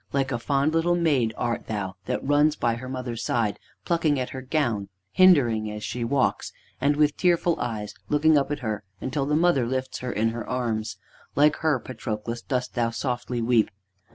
"Like a fond little maid art thou that runs by her mother's side, plucking at her gown, hindering her as she walks, and with tearful eyes looking up at her until the mother lifts her in her arms. Like her, Patroclus, dost thou softly weep."